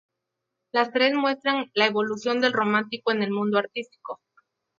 Las tres muestran la evolución del románico en el mundo artístico.